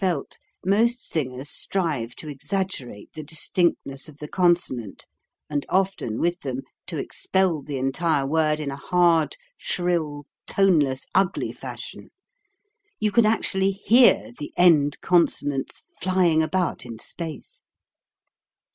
CONSONANTS 297 most singers strive to exaggerate the distinct ness of the consonant and often with them to expel the entire word in a hard, shrill, toneless, ugly fashion; you can actually hear the end consonants flying about in space.